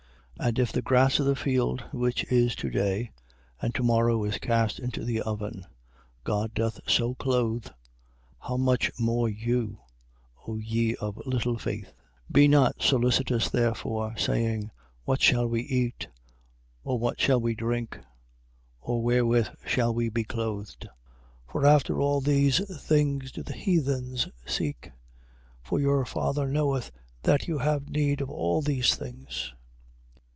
6:30. And if the grass of the field, which is to day, and to morrow is cast into the oven, God doth so clothe: how much more you, O ye of little faith? 6:31. Be not solicitous therefore, saying: What shall we eat: or what shall we drink, or wherewith shall we be clothed? 6:32. For after all these things do the heathens seek. For your Father knoweth that you have need of all these things.